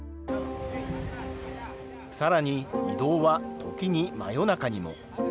さらに、移動は時に真夜中にも。